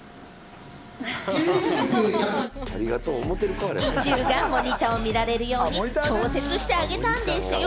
スキチュウがモニターを見られるように調節してあげたんですよ。